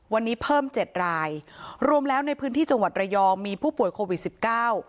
วันนี้เพิ่มเจ็ดรายรวมแล้วในพื้นที่จังหวัดระยองมีผู้ป่วยโควิดสิบเก้า